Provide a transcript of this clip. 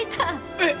えっ！？